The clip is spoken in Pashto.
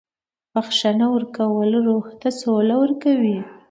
• بخښنه ورکول روح ته سوله ورکوي.